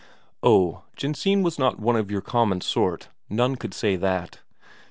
Oh, Jensine was not one of your common sort, none could say that.